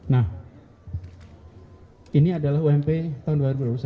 nah ini adalah ump tahun dua ribu dua puluh satu